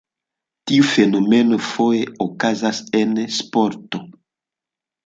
Tiu fenomeno foje okazas en sporto.